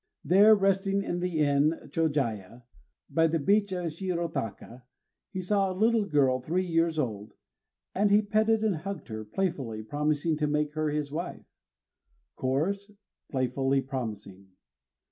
There resting in the inn Chôjaya, by the beach of Shirotaka, he saw a little girl three years old; and he petted and hugged her, playfully promising to make her his wife, (Chorus) _Playfully promising.